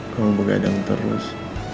kamu begadang terus